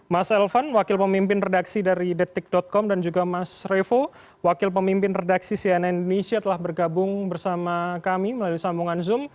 mas elvan wakil pemimpin redaksi dari detik com dan juga mas revo wakil pemimpin redaksi cnn indonesia telah bergabung bersama kami melalui sambungan zoom